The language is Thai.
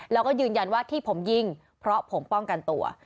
แล้วก็ยืนยันว่าที่ผมยิงเพราะผมป้องกันตัว